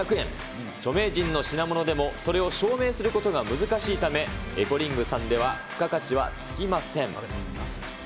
著名人の品物でも、それを証明することが難しいため、エコリングさんでは付加価値はつきません。